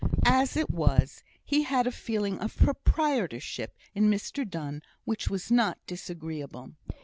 As it was, he had a feeling of proprietorship in Mr Donne which was not disagreeable.